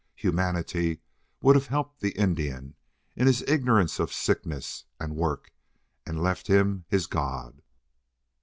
Humanity would have helped the Indian in his ignorance of sickness and work, and left him his god.